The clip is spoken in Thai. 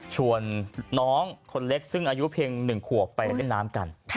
ชวนน้องคนเล็กซึ่งอายุเพียง๑ขวบไปเล่นน้ำกัน